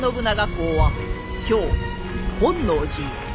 公は京本能寺へ。